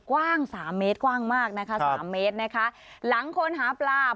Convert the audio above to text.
กว้าง๓เมตรมากนะคะ๓เมตรนะคะหลังคนหาปลาครับ